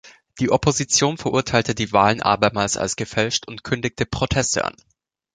Die Opposition verurteilte die Wahlen abermals als gefälscht und kündigte Proteste an.